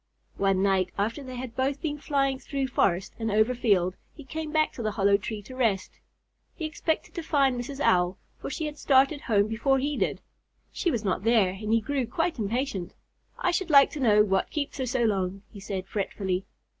One night, after they had both been flying through forest and over field, he came back to the hollow tree to rest. He expected to find Mrs. Owl, for she had started home before he did. She was not there and he grew quite impatient. "I should like to know what keeps her so long," he said, fretfully.